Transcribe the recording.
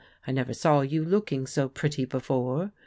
I never saw you looking so pretty before.